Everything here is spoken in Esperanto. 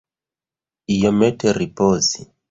Iomete ripozi.